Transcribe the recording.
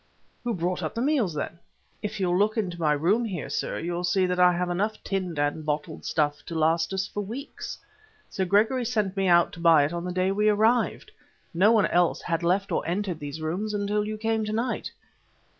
"Who brought up the meals, then?" "If you'll look into my room here, sir, you'll see that I have enough tinned and bottled stuff to last us for weeks. Sir Gregory sent me out to buy it on the day we arrived. No one else had left or entered these rooms until you came to night."